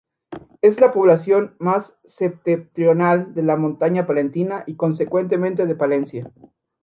Es la población más septentrional de la Montaña Palentina, y consecuentemente, de Palencia.